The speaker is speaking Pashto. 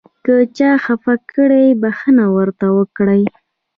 که چا خفه کړئ بښنه ورته وکړئ .